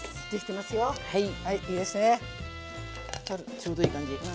ちょうどいい感じ。